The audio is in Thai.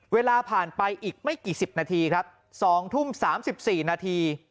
เวลาผ่านไปอีกไม่กี่๑๐นาทีครับ๒ทุ่ม๓๔นาที